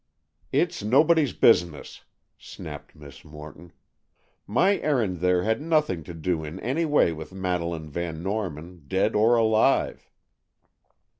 "It's nobody's business," snapped Miss Morton. "My errand there had nothing to do in any way with Madeleine Van Norman, dead or alive."